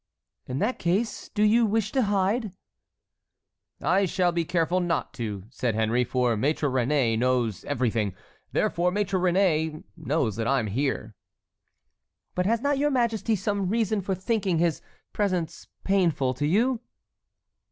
"In that case, do you wish to hide?" "I shall be careful not to," said Henry, "for Maître Réné knows everything; therefore Maître Réné knows that I am here." "But has not your majesty some reason for thinking his presence painful to you?"